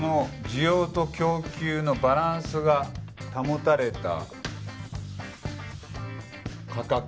需要と供給のバランスの取れた。